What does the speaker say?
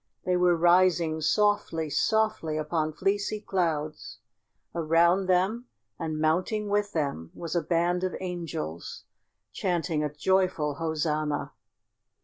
They were rising softly, softly upon fleecy clouds. Around them and mounting with them was a band of angels chanting a joyful Hosanna!